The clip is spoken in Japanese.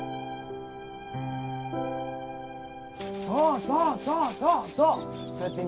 そうそうそうそうそう！